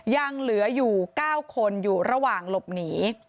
ยังเหลืออยู่๙คนอยู่ระหว่างหลบหนี